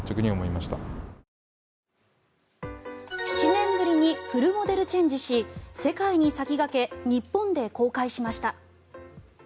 ７年ぶりにフルモデルチェンジし世界に先駆け日本で公開しました。